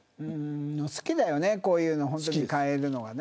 好きだよねこういうのを変えるのが。